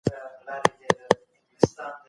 د دې سوال جوابونه به ډير وي